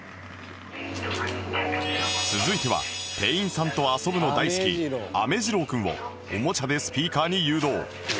続いては店員さんと遊ぶの大好き飴次郎君をおもちゃでスピーカーに誘導